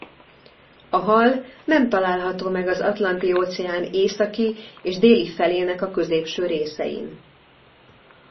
A hal nem található meg az Atlanti-óceán északi és déli felének a középső részein.